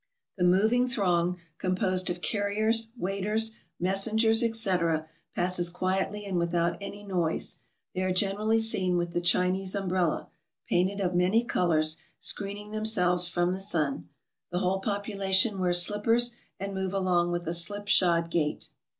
The moving throng, composed of carriers, waiters, messengers, etc., passes quietly and without any noise ; they are generally seen with the Chinese umbrella, painted of many colors, screening themselves from the sun. The whole population wear slippers and move along with a slip shod gait.